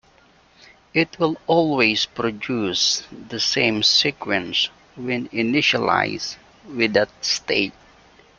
It will always produce the same sequence when initialized with that state.